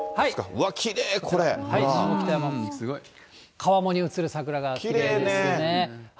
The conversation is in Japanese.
川面に映る桜がきれいですよね。